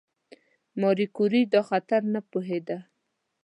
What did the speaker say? ماري کیوري دا خطر نه پوهېده.